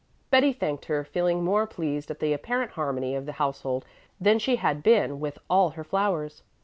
Betty thanked her, feeling more pleased at the apparent harmony of the household than she had been with all her flowers.